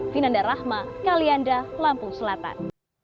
vinanda rahma kalianda lampung selatan